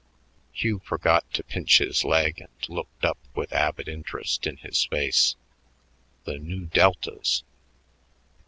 Hugh forgot to pinch his leg and looked up with avid interest in his face. The Nu Deltas!